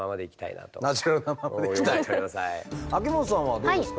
秋元さんはどうですか？